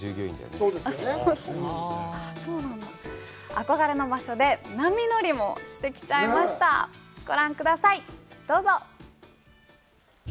憧れの場所で波乗りもしてきちゃいましたご覧くださいどうぞ！